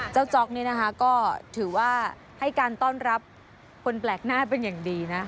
จ๊อกนี่นะคะก็ถือว่าให้การต้อนรับคนแปลกหน้าเป็นอย่างดีนะ